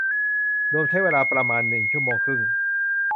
รวมใช้เวลาประมาณหนึ่งชั่วโมงครึ่ง